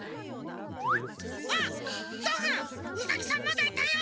わっどんぐーウサギさんまだいたよ！